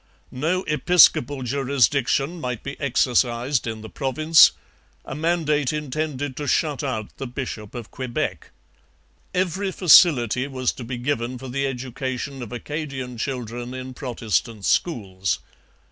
No episcopal jurisdiction might be exercised in the province, a mandate intended to shut out the bishop of Quebec. Every facility was to be given for the education of Acadian children in Protestant schools.